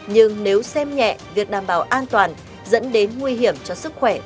nhưng nếu xem nhẹ việc đảm bảo an toàn dẫn đến nguy hiểm cho sức khỏe